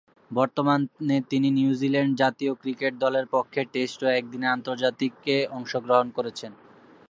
বর্তমানে তিনি নিউজিল্যান্ড জাতীয় ক্রিকেট দলের পক্ষে টেস্ট ও একদিনের আন্তর্জাতিকে অংশগ্রহণ করছেন।